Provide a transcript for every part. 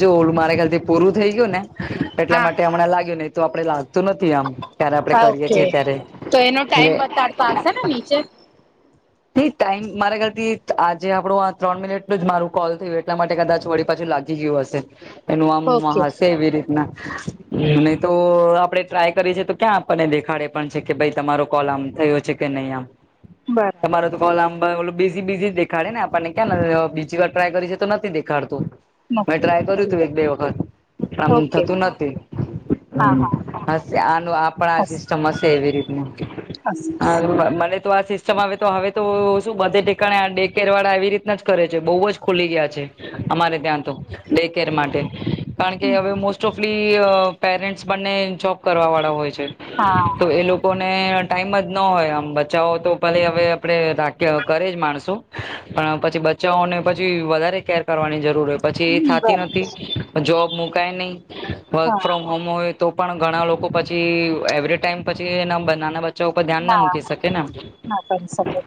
જો મારે ખ્યાલથી પૂરું થઈ ગયું ને એટલા હા માટે હમણાં લાગ્યું તો આપડે લાગતું નથી આમ ત્યારે આપડે હા કરીએ ઓકે છીએ ત્યારે તો એનો એટલે ટાઈમ બતાડતો હશે ને નીચે એ ટાઈમ મારા ઘરથી આજે આપણું આ ત્રણ મિનિટ જ મારું કોલ થયું એટલા માટે કદાચ વળી પાછું. લાગી ગયું હશે એનું આમ ઓકે હશે એવી રીતના નહી તો આપડે ટ્રાય કરી છે તો ક્યાં આપણને દેખાડે પણ છે કે ભાઈ તમારો કોલ આમ થયો છે કે નહી આમ બરાબર તમારે તો કોલ લાંબા બીસી બીસી દેખાડે ને આપણને ક્યા બીજી વાર ટ્રાય કરી છે તો નથી દેખાડતું. મે નથી ટ્રાય કર્યું બતાડતું તું એક બે વખત પણ આમ ઓકે થતું નથી હા હા હમ હ આનું આપણા આ સિસ્ટમ હશે એવી રીતનું. હશે હશે હાઉઆ મને તો આસિતસમાવેસ તો હવે તો શું બધે ઠકાણે આ ડે કેરવાળા એવી રીતના જ કરે છે બહુ જ ખુલી ગયા છે અમારે ને આમ તો દેખરેખમાટે કારણ કે હમ હ મોસ્ટ ઓફ પેરેન્ટ પરને જોબ કરવા વાળા હોય છે તો હા એ લોકોને ટાઈમ જ ન હોય આમ બચાઓ તો ભલે હવે આપડે રાખીએ કરે જ માણસો પણ પછી બચ્ચાઓને પછી વધારે કેર કરવાની જરૂર હોય પછી એ થતી નથી બરાબર જોબ મુકાય નહી વર્ક હા ફ્રોમ હોમ હોય તો પણ ઘણા લોકો પછી એવરી ટાઈમ પછી એના નાના બચચા ઉપર ધ્યાન ના મૂકી શકે ને ના કરી શકે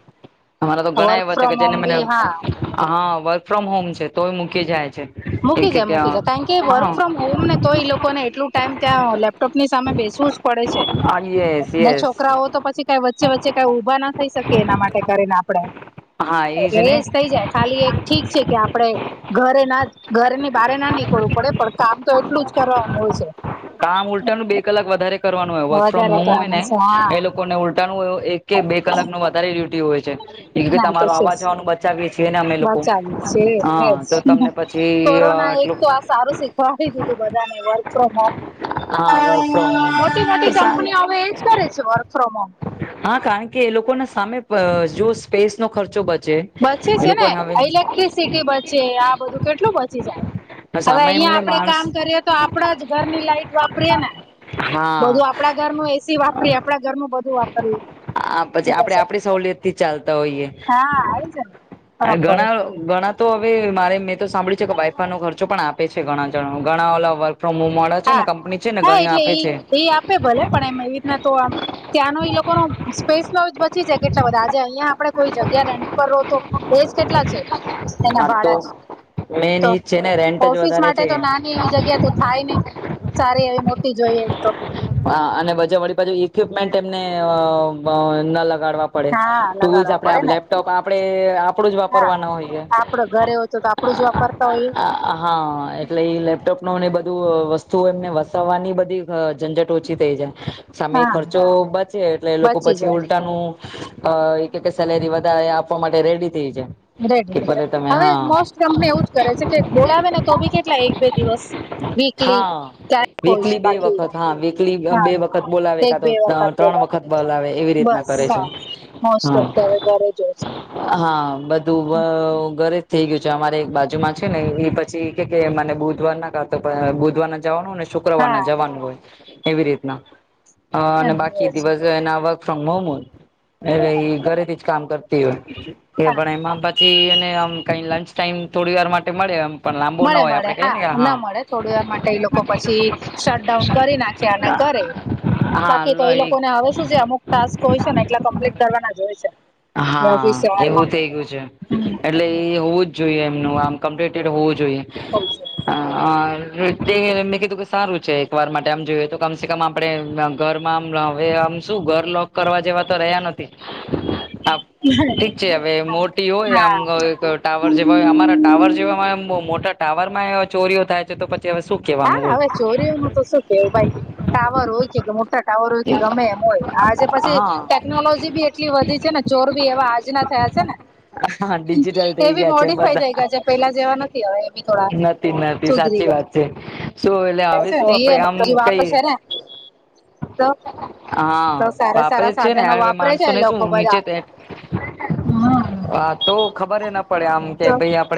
અરા તો ઘણા વર્ક એવા છે ફ્રોમ કે હોમ જેને મને બી હા હા વર્ક ફ્રોમ હોમ છે્ તોય મૂકી જાય છે. મૂકી જાય મૂકી જાય કારણ કે વર્ક હા ફ્રોમ હોમ ને તો એ લોકોને એટલું ટાઈમ ત્યાં લેપટોપની સામે બેસવું જ પડે છે યસ ના યસ છોકરાઓ તો પછી ક વચ્ચે વચ્ચે ક ઉભા ના થ શકી એના માટે કરીને આપે હા એટલે ને એજ થઈ જાય ખાલી એક ઠીક છે કે આપણે. ઘરે ના ઘરેની બરે ના નીકળવું પડે પણ કામ તો એટલું જ કરવાનું હોય છે. કામ ઉલટાનું બે કલાક વધારે કરવાનું હોય વર્ક ફ્રોમ વધારે હોમ હોય કરવાનું ને છે હા એ લોકોને ઉલટાનું કોઈ એક કે બે કલાક ન વધારે ડ્યુટી હોય છે. એ ના તો તમારું છે જ અવાજવાનું બચાવીએ છીએ ને અમે લોકો બચાવ્યું હા તો તમને પછી ગણા એક એટલું તો આ સારું શીખવાડી દીધું બધાને વર્ક ફ્રોમ હોમ હા વર્ક ફ્રોમ હોમ મોટી મોટી પણ સારી કંપની હવે એજ કરે છે વર્ક ફ્રોમ હોમ હા કારણ કે એ લોકો ના સામે અહહ જો સ્પેસ નો ખર્ચો બચચે બચે છે ને ઇલેક્ટ્રિસિટી બચે આ બધું કેટલું બચી જાય. હવે સામે અહંયા એમને આપડે માણસ કામ કરીએ તો આપડા જ ઘરની લાઈટ વાપરીએ હા બધું આપડા ઘરનું એસી વાપરી આપડા ઘરનું બધું વાપરીએ આ પછી આપડે આપડી સહુલિયત થી ચાલતા હોઈએ. હા આવી છે ને આ ફરક પડે ઘણા ઘણા તો હવે મારે મેં તો સાંભળ્યું છે કે વાઈફાઈ નો ખર્ચો પણ આપે છે ઘણા જણ ઘણા ઓલા વર્ક ફ્રોમ હોમ વાળા છે ને હા કંપની છે ને હા ઘણી એટલે આપે એ છે એ આપે ભલે પણ એમ એવી રીતના તો આમ આનો એ લોકોનો સ્પેસનો શી છે કેટલા બધા આજે અહિયાં આપડે કોઈ જગ્યા રેન્ટ પર રહો તો એજ કેટલા છે. એના આ તો ભાડા જ મેન તો ઈ જ છે ને રેન્ટ જ ઓફિસ વધારે માટે છે તો નાની એવી જગ્યા તો થાય નઈ. સારી એવી મોટી જોઈએ. તો [unintelligible] ગાડવા પડે હા ટુલ્સ લગાડવા આપે પડે ને લેપટોપ આપણે એ આપડું જ હા વાપરવા ના હોઈએ. આપડો ઘરે હોય તો આપડું જ વાપરતા હોઈએ હા એટલે લેપટોપ નો બધ બધું અહહ વસ્તુઓ એમને વસાવવાની બધી અહહ ઝંઝટ ઓછી થઈ જાય. સામે હા ખર્ચો બચે એટલે લોકો બચી પછી જાય ઉલટાનું અહહ એ કેકે સેલેરી વધારે આપ. આપવા માટે રેડી થઈ જાય રેડી કે થજ ભલે તમે હવે હા મોસ્ટ કંપની એવું જ કરે છે કે બોલાવે ને તો ભી કેટલા એક બે દિવસ વીકલી હા ક્યારેક હોય વીકલી છે બે બાકી વખત હા વીકલી અહહ હા બે વખત બોલાવે એક કા તો બે અહહ ત્રણ વખત ત્રણ વખત તો બોલાવે એવી રીતના બસ કરે છે હા મોસ્ટ હા ઓફ તો હવે ઘરે જ હોય છે હા બધું ઘરે થઈ ગયું છે અમારે એક બાજુમાં છે ને એ પછી એ કે મને બુધવાર ના કા તો અહહ બુધવાર ના જવાનું ને હા શુક્રવારના જવાનું હોય એવી રીતના અહહ અને એ બાકી દિવસ એના ફ્રોમ મોટો એ છે ઘરેથી જ કામ કરતી હોય. એ હા પણ એમાં પછી એને આમ કઈ લંચ ટાઈમ થોડી વાર માટે મળે એમ પણ લાંબો ના મળે હોય મળે આપડે કહીએ હા ને કે ના મળે થોડીવાર માટે એ લોકો પછી શટ ડઉન કરી નાખે અને કરે બાકી તો હા એ લોકોને આવે શું જે અમુક ટાસ્ક હોય છે ને એટલા કમ્પ્લીટ કરવાના જ હોય. છે એ હા ઓફિસ એવું શહેરમાં થઈ ગયું છે હમ એટલે એ હોવું જ જોઈએ એમનું આમ કમ્પ્લીટેડ હોવું જોઈએ. હોય છે. અહહ એટલે, મેં કીધું કે સારું છે, એકવાર માટે આમ જોઈએ તો કમસે કમ આપડે ઘરમા [unintelligible] શું ઘર લોક કરવા જેવા તો રહ્યા નથી. ઠીક છે હવે હા મોટી હોય, આમ હા અમમ ટાવર જેવા હોય અમારા ટાવર જેવા ઓમ બવ મોટા ટાવરમાં એ હવે ચોરીયો હા હવે ચોરીઓ ને તો શું કેવું ભાઈ ટાવર હોય કે [unintelligible] ટાવર સુધી ગમે એમ હોય, આજે પછી હા ટેકનોલોજી બી એટલી વધી છે ને ચોર બી એવા આજના થયા છે ને હા ડિજિટલ એ થઈ બી ગયા છે મોડીિફાય થઈ બધા ગયા છે, પેલા જેવા નથી હવે એ બીકડા. એ સાચી વાત છે. શું એટલે આવે છે શું એ આપડે આમ હજી વાપે કઈ? છે ને તો તો હા સારા વાપરે સારા જ છે ને, સાધનો હ વાપરે છે માણસો એ ને શું? લોકો નીચે બધા તે હમ હા તો ખબર હ તો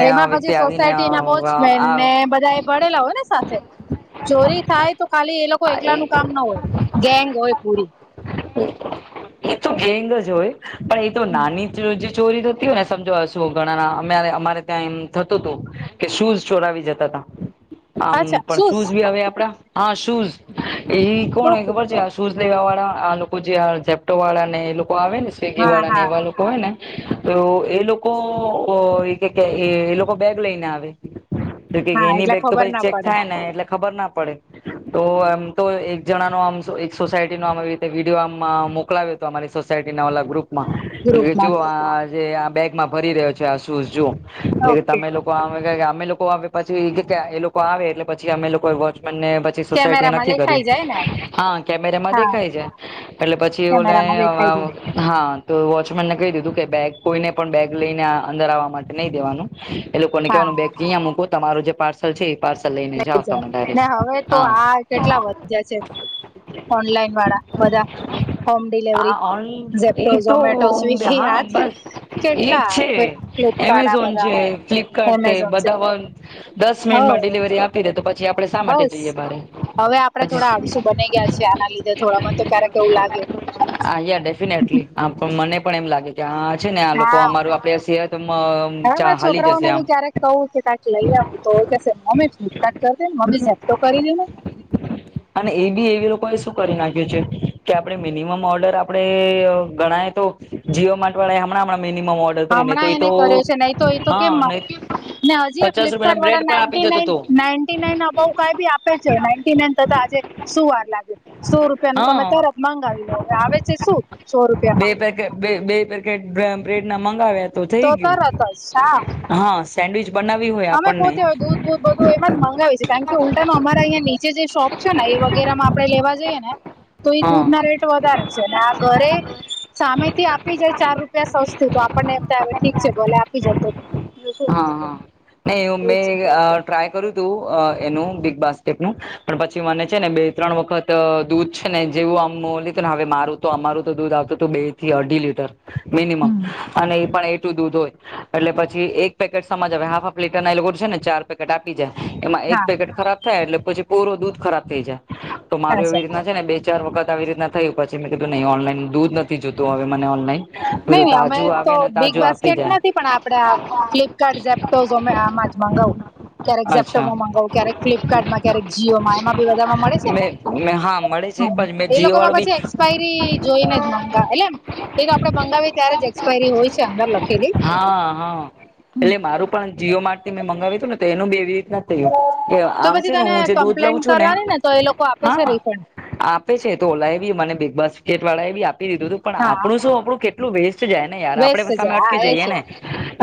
એમાં પછી આવીને સોસાયટી ના વોચમેન આ ને બધા એ ભણેલા હોય ને સાથે ચોરી થાય તો, ખાલી એ લોકો એકલા નુ કામ ના હોય. ગેંગ હોય પૂરી. એ તો ગેંગ જ હોય, પણ એ તો નાની [inaudible] ચોરી તો થતી હોય, ને સમજો શું ઘણા અમે અમારે ત્યાં એમ થતું હતું કે, શૂઝ ચોરાવી જતા હતા. આમ અચ્છા પણ શું શૂઝ ભી આવે આપડા, હા શુઝ એ કોણ હોય ઓકે ખબર છે. શુંઝ લેવા વાળા આ લોકો જે ઝેપટો વાળા ને, એ લોકો આવે ને સ્વિગી હા વાળા ને, હા એવા લોકો હોય ને તો એ લોકો એ કે, એ લોકો બેગ લઈને આવે. તો કે હા એની એટલે બેગ તો ખબર પછી ના ચેક પડે થાય નઈ એટલે ખબર ના પડે. પડે, તો એમ તો એક જણા નો આમ એક સોસાયટી નો, આવી રીતે વિડીયો આમાં મોકલાવ્યો હતો, અમારી સોસાયટી ના ઓલા ગ્રુપ માં કે ગ્રુપમાં જો આ, જે આ બેગમાં ભરી રહ્યો છે. આ શૂઝ જો એટલે કે, ઓકે તમે લોકો આવે અમે લોકો આવે પછી એ લોકો આવે એટલે પછી અમે લોકો વોચમેન મને પછી સોસાયટી એ કેમેરામાં નક્કી કર્યું. દેખાઈ જાય ને કેમેરામાં હા દેખાય છે. એટલે પછી ઓલા કેમેરામાં દેખાઈ જાય એ-' હા, તો વોચમેન ને કહી દીધું કે, બેગ કોઈને પણ બેગ લઈને અંદર આવવા માટે નહી દેવાનું. એ લોકોને કહેવાનું હા બેગ અહીંયા મૂકો, તમારો જે પાર્સલ છે. પાર્સલ લઈને જાઓ લઈ જાય, તમે ને ડાયરેક્ટ હવે તો હા આ કેટલા વધ્યા છે. ઓનલાઈન વાળા બધા. હોમ આ ડિલવરી અહી ઝેપ્ટો એ તો, ઝોમેટો સ્વિગી હા હાથ બસ એજ કેટલા છે. ફ્લિપકાર્ટ આ એમેઝોન છે. બધા ફ્લિપકાર્ટ છે. બધા દસ હ મિનિટમાં ડિલિવરી આપી દે. તો પછી જે આપડે શા માટે બસ જઈએ બરે હવે આપડે થોડા પછી, આળસુ [unintelligible] બની ગયા છે આના લીધે થોડા મને તો ક્યારેક એવું લાગે આ ડેફિનેટલી આપ [unintelligible] મને પણ એમ લાગે કે હા છે. ને આ લોકો હા અમાર આપે સહિતમાં હવે મારા હાલી જશે છોકરાઓને આમ બી ક્યારેક કહું કે કાંઈક લઈ આવું તો મમ્મી ફ્લિપકાર્ટ કર દે, મમ્મી ઝેપ્ટો કરી લેને. અને એ બી એવી. એ લોકો એ શું કરી નાખ્યું છે.? કે આપણે મિનિમમ ઓર્ડર આપણે ગણાય તો જીઓ [inaudible] હમણાંં મિનિમમ ઓર્ડર કરીને તો, હમણાં એ તો એને કર્યો છે નહી તો એ તો હા કેમ નહીં તો, ને હજી ફ્લિપકાર્ટ વાળા ninety nine, ninety nine above કઈ બી આપે છે. નાન્ટી નાન તથા શું વાર લાગે છે.? સો રૂપિયાનું તમે હા તરત જ મંગાવી લો, હવે આવે છે. શું સો બે રૂપિયામાં.? પેકેટ બે ય પેકેટ [unintelligible] મંગાવ્યા તો થઈ ગયું તરત જ હા હા. સેન્ડવીચ બનાવી હોય અમે આપણને પોતે હોય દૂધ, બુધ બધું એમાં જ મંગાવી છે. કારણ કે ઉલ્ટા નો અમારા અહીં નીચે જે શોપ છે. ને એ વગેરે માં આપણે લેવા જઈએ ને, તો એ હા દૂધ ના રેટ વધારે છે. અને આ ઘરે સામે થી આપી જાય ચાર રૂપિયા સસ્તું તો આપણને એમ થાય ઠીક છે. ભલે આપી જતો હા હા નહી હમે એવું છે આ ટ્રાય કરું તું અ એનું બિગ બાસ્કેટનું પણ પછી મને છે, ને બે ત્રણ વખત અ દૂધ છે. ને જેવું [unintelligible] મારું તો અમારું તો દૂધ આવતું હતું બે થી અઢી લીટર મિનિમમ હમ અને એ પણ એટલું દૂધ હોય એટલે પછી એક પેકેટ સમજ આવે હાફ લિટર ના એ લોકો ચાર પેકેટ આપી જાય એમાં એક હા પેકેટ ખરાબ થાય એટલે પછી પૂરો દૂધ ખરાબ થઈ જાય તો મારું એવી અચ્છા રીતના છે, ને બે ચાર વખત આવી રીતના થયું પછી મેં કીધું નહી ઓનલાઈન દૂધ નથી જોતું હવે મને ઓનલાઈન બધું નહી અમે તાજું તો આવે ને બિગ તાજું આપી બાસ્કેટ જાય નથી પણ આપડા ફ્લિપકાર્ટ, ઝેપટો, અમે આમાં જ મંગાવુ. ક્યારેક અચ્છા ઝેપટોમાં મગાવું ક્યારેક ફ્લિપકાર્ટમાં ક્યારેક જીઓમાં એમાં બી બધામાં મળે છે, ને મે હા મળે છે પણ મેં હ એ જીઓ લોકો વાળો માં બી પછી એક્સપાયરી જોઈને જ મંગા એટલે એમ આપડે મંગાવીએ ત્યારે જ એક્સપાયરી હોય છે, અંદર લખેલી હા હા હમ એટલે મારું પણ જીઓ માર્ટથી મેં મંગાવ્યું હતુંને તો એનું બી એવી નથી કે તો આમ પછી છે, ને તને હું જે દૂધ કમ્પ્લેન લઉં છું ને કરવાની તો એ લોકો આપે છે હા રિફંડ આપે છે, તો ઓલાએ બી મને બિગ બસિકેટ વાળા એ બી આ પી દીધુ હતુ પણ હા આપણુ શુ આપણુ કેટલુ વેસ્ટ જાય ને યાર આપડે વેસ્ટ સામે જાય અટકી હા એ જઈએ છે ને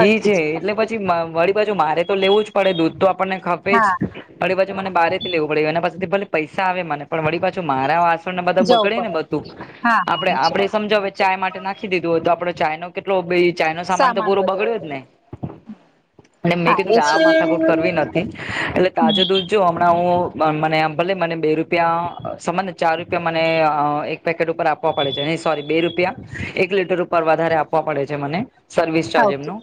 ઈ છે. એટલે પછી મ વળી પાછુ મારે તો લેવુ જ પડે દૂધ તો આપણને ખપે જ હા વળી પાછુ મને બારે થી લેવુ પડે એના પાસેથી ભલે પૈસા આવે મને પણ વળી પાછુ મારા વાસણને બધા જવું બગડે ને પડે બધું હા હા આપડે એ છે આપડે સમજો હવે ચાય માટે નાખી દીધુ હોય તો આપડે ચાઈનો કેટલો બે ચાઈનો સામાન તો પૂરો બધું બગડ્યો બધું જ ને અને મેં હા કીધુ એ કે આ છે માથાકૂટ કરવી નથી એટલે તાજે હમ દૂધ જો હમણા હુ મને ભલે મને બે રૂપિયા સમજને ચાર રૂપિયા મને અ એક પેકેટ ઉપર આપવા પડે છે, સોરી બે રૂપિયા એક લીટર ઉપર વધારે આપવા પડે છે, મને સર્વિસ ચાર્જ ઓકે એમનુ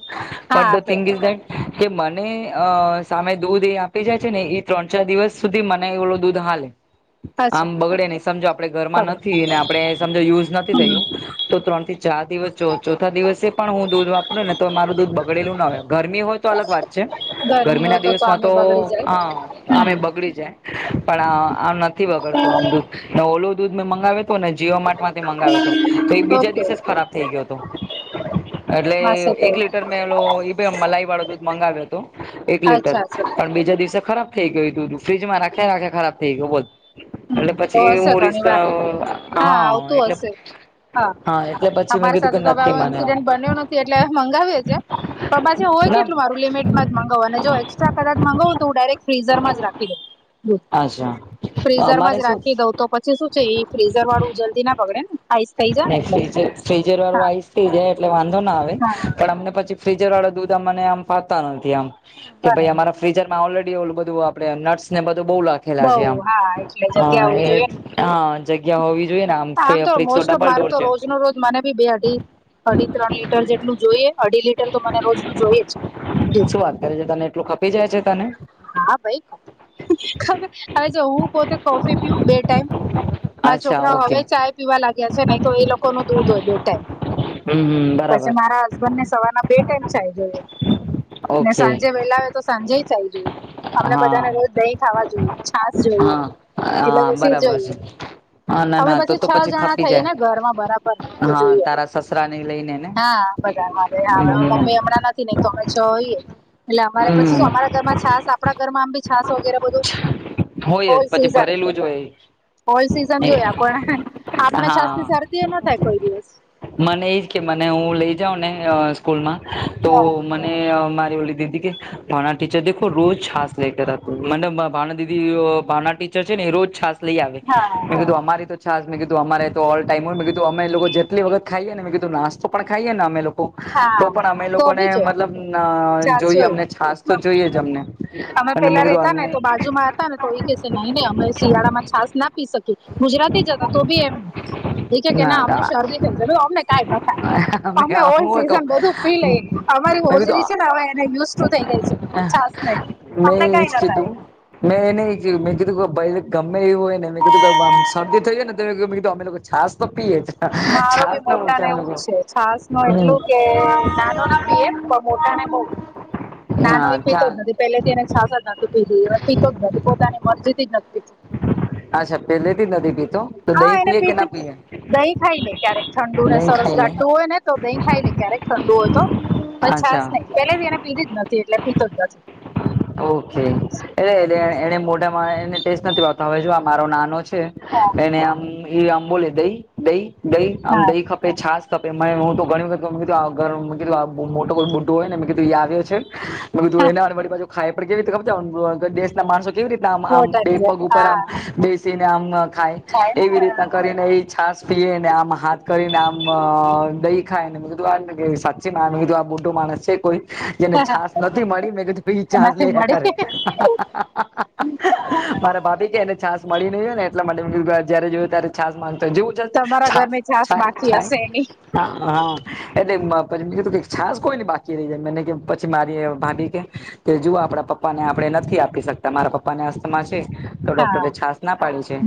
હા બટ ધ આપે થિંગ ઇઝ ગાઈટ કે મને અ સામે દૂધ એ આપી જાય છે, ને એ ત્રણ ચાર દિવસ સુધી મને ઓલુ દૂધ હાલે અચ્છા આમ બગડે નહી સમજો આપડે ઘરમા પકડો નથી આપણે સમજો યુઝ નથી હમ થયુ તો ત્રણ થી ચાર દિવસ ચો ચોથા દિવસે પણ હું દૂધ વાપરુ ને તો મારું દૂધ બગડેલુ ના હોય ગરમી હોય તો અલગ વાત છે, ગરમી હોય ના દિવસમા આમે તો બગડી જાય અ આમએ બગડી જાય પણ આમ નથી વગડતો આમ દૂધ ઓલુ દૂધ મે મંગાવે ને જીઓ માર્ટ માંથી મંગાવેતુ તો એ હમ બીજા ઓકે દિવસે જ ખરાબ થઇ ગયો તો એટલે હશે તો એક લીટર મેલો [unintelligible] મલાઈ વાળો દૂધ મંગાવ્યો હતો એક લીટર અચ્છા અચ્છા પણ બીજા દિવસે ખરાબ થઈ ગયું તુ ફ્રીજમા રાખે રાખે ખરાબ થઈ ગયુ બોલ હમ એટલે તો પછી હશે હું રિસ્ક ઘણી વાર હા આવતું એટલે હશે હા એટલે પછી મેં અમારી કીધું કે સાથે તો નથી હવે મને ઇન્સિડેન્ટ બન્યો નથી એટલે મંગાવીએ છે, પણ પાછી હોય ના કેટલું લીમિટમાં જ મગાવુ અને જો એક્સ્ટ્રા કદાચ મંગાવુ તો હું ડાયરેક્ટ ફ્રીઝરમા જ રાખી દઉ અચ્છા. ફ્રીઝરમા અમારે જ શું રાખી દઉં તો પછી શું છે, એ ફ્રીઝર વાળુ જલ્દીના બગડે આઈસ થઈ જાય ને નહી એટલે ફ્રીજર ફ્રીજર વાળો હા આઈસ થઈ જાય એટલે વાંધો ના આવે હા પણ અમને પછી ફ્રીઝર વાળા દૂધ અમને આમ ફાવતા નથી આમ કે ભઈ બરાબર અમારા ફ્રીજરમા ઓલરે ડી ઓલુ બધુ આપડે નટસ ને બધુ લખેલા છે, આમ બઉ હા એટલે જગ્યા હા હોવી એ જોઈએ ને હા જગ્યા હોવી જોઈએ ને આમ તો ફ્રીજ મોસ્ટ ઓફ ડબલ મારું ડોર તો છે રોજ નો રોજ મને ભી બે અઢી અઢી ત્રણ લીટર જેટલું જોઈએ અઢી લીટર તો મને રોજનું જોઈએ જ દૂધ શું વાત કરે છે, તને એટલું ખપી જાય છે, તને હા ભાઈ ખપે હવે જો હું પોતે કોફી પીવ બે ટાઈમ મારા અચ્છા છોકરાઓ ઓકે હવે ચાય પીવા લાગ્યા છે, નહી તો એ લોકો ન દૂધ હોય બે ટાઈમ હમ હમ પછી બરાબર મારા હસબન્ડને સવારના બે ટાઈમ ચાય જોઈએ. ને ઓકે સાંજે વેલા આવે તો સાંજે ચાય જોઈએ અમને બધાને હા રોજ દહીં ખાવા જોઈએ છાસ જોઈ હા હા બરાબર છે. હા ના અમે ના તો પછી તો છ જણા ખપી થઈએ જાય ને ઘરમાં બરાબર તો હા જોઈએ તારા સસરા ને લઈને ને હા. હવે હવે હમ મમ્મી હમણા નથી ન તો. છ હોઈએ એટલે અમારે પછી હમ શું અમારા ઘર માં છાસ આપણા ઘરમા આમ ભી છાસ વગેરે બધુ હોય જ પછી ભરેલું જ હોય. હોલ સીઝન જોયા પણ આપને છાસ થી હા શરદી એ નો થાય કોઈ દિવસ. મને એજ કે મને હું લઈ જાઉ ને સ્કૂલ મા હા. એ મારી ઓલી દીદી કે ભણા ટીચર દેખો રોજ છાસ લેકર આતી મન અ ભાણા દીદી ભાવના ટીચર છે ને એ રોજ છાસ લઈ આવે હા મે કીધુ અમારે તો છાસ મેં કીધું અમારે તો ઓલ ટાઈમ હોય મે કીધું અમે લોકો જેલી વખત ખાઈએને મેં કીધું નાસ્તા પણ ખાઈએ ને અમે લોકો હા તો પણ અમે તો લોકોને બી જોઈ મતલબ છાસ જોઈએ જોઈ. અમને છાસ તો જોઈએ જ અમને એટલે મેં કીધુ અમને. કોઈ કેસે નઈ નઈ અમે શિયાળામા છાસ ના પી શકીએ ગુજરાતી જ હા તો બી એમ તેના અમને ના શરદી થઈ જ અમને ક ના થાય અમે ઓલ્ડ આવું સીઝન બધું પી લ. હતું તમારી મેં હોજરી છે કીધું ને હવેય થઈ ગઈ છે છાસ તમને મેં એજ કઈ થાય. કીધું મેં એ નહી કીધું કે ભ ગમે એવું હોય નેમે કીધું કે આમ શરદી થઈ જાય ને તો કી અમે લોકો છાસ તો પીએ. મારો ભી છાસ ના મોટા મૂકે ને અમે એવું લોકો જ છે છાસ નું એટલું કે હમ નાનો ના પ મોટા ને બહ. નાનો હા એ પીતો ચા જ નથી પેલે થી એને છાસ જ નથી પીધી પીતો નથી પોતાની મરજીથી જ નથી પીધું. અચ્છા. પેલેથી નથી પીતો તો હા દહીં એને પીએ કે પીતી ના પીએ દહીં ખાઈ લે ક્યારેક ઠંડુ ને દહીં સરસ ખાઈને. ઘાટું હોય ને તો દહી ખાઈ લે ક્યારેક ઠંડુ હોય તો પછ છાસ અચ્છા નહી પે એને પીધી જ નથી એટલે પીતો જ નથી. ઓકે એટલે એને મોઢા ટેસ્ટ નથીતો હવે જો આ મારો નાનો છે. હા એને આમ આમ બોલે દહી દહી દહી આમ દહી ખપે છાસ. ે હું તો ઘણી વખત કું કીધું આ મોટો કોઈ બુટું હોય ને મે કીધું એ આવ્યો છે. બ તું હા એના વરી પાજુ ખાઈ પણ કેવી રીતે ખબર જ દેશ ના માણસો કેવી રીતે આમ આમ મોટા બે છે પગ ઉપર હા આમ બેસીને આમ ખાય એવી રીતના કરીને એ છાસ પીને આમ હાથ કરીને આમ દઈ કીધું સાચી મા કીધું આ બુટું માણસ છે કોઈ જેને છાસ હા. નથી મળી મેં કીધું છ એમાંથી લે મળી કર હા. મારા ભાભી કે એને છાાસ ને એટ માટે કીધું જય જોય ત્યારે છાસ માં જેવું તમારા હ હા. ઘરમાં છાસ બાકી હશે એની એછ કીધું છાસ કો ને બાકી રહી જાય મને પછી મારી ભાભી કે. તે જુઓ આપણા પપ્પા ને આપડણે નથી આપી શકતા મારા પપ્પાને હસ્તમાં છે. તો હા ડોક્ટર છશ ના પાડીે છે.